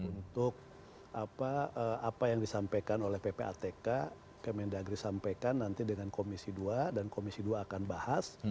untuk apa yang disampaikan oleh ppatk kemendagri sampaikan nanti dengan komisi dua dan komisi dua akan bahas